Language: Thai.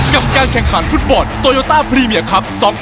กับการแข่งขันฟุตบอลโตโยต้าพรีเมียครับ๒๐